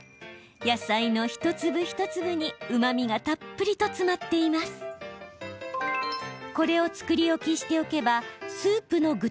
野菜の一粒一粒にうまみがたっぷりと詰まっています。